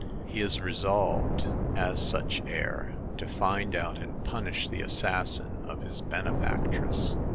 ^He is resolved, as such heir, to find out and punish the assassin of his benefactress.